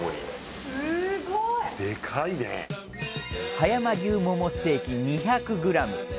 葉山牛モモステーキ２００ｇ。